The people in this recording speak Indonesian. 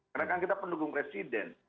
karena kan kita pendukung presiden